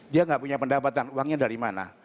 dia nggak punya pendapatan uangnya dari mana